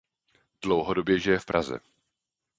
Dlouhodobě žije v Praze.